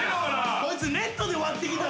こいつネットで割ってきたぞ。